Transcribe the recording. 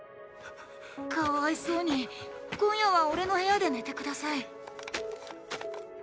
かわいそうに今夜は俺の部屋で寝て下さい。